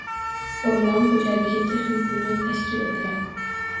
O‘rmon xo‘jaligi texnikumi tashkil etiladi